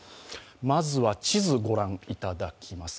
まずは地図をご覧いただきます。